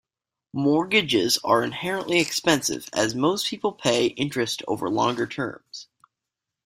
Mortgages are inherently expensive as most people pay interest over longer terms.